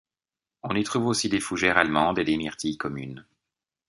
On y trouve aussi des fougères allemandes et des myrtilles communes.